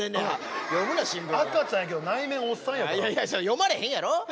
読まれへんやろ。